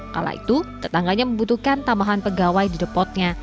kala itu tetangganya membutuhkan tambahan pegawai di depotnya